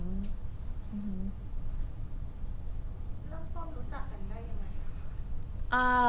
เริ่มต้นรู้จักกันได้ยังไง